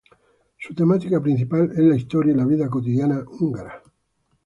Su temática principal es la historia y la vida cotidiana húngara.